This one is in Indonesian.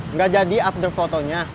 nggak jadi after fotonya